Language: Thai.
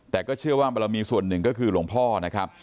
แต่ก็เชื่อว่าบรมีส่วนหนึ่งก็คือหลวงพ่อนะครับ